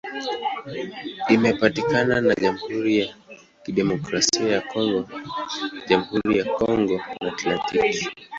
Imepakana na Jamhuri ya Kidemokrasia ya Kongo, Jamhuri ya Kongo na Atlantiki.